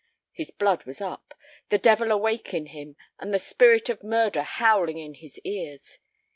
His blood was up, the devil awake in him, and the spirit of murder howling in his ears.